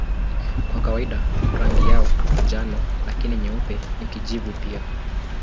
Kwa kawaida rangi yao ni njano lakini nyeupe na kijivu pia.